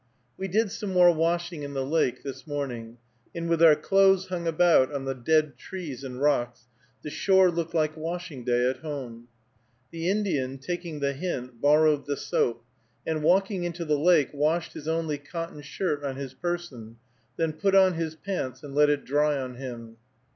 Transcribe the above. We did some more washing in the lake this morning, and with our clothes hung about on the dead trees and rocks, the shore looked like washing day at home. The Indian, taking the hint, borrowed the soap, and, walking into the lake, washed his only cotton shirt on his person, then put on his pants and let it dry on him.